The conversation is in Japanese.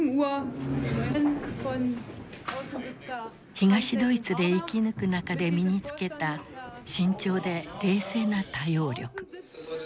東ドイツで生き抜く中で身に付けた慎重で冷静な対応力。